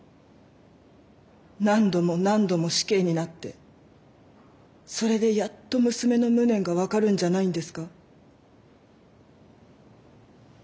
何度も何度も死刑になってそれでやっと娘の無念が分かるんじゃないんですか？